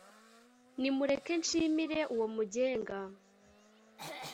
nimureke nshimire uwo mugenga